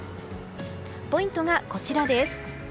ポイントがこちらです。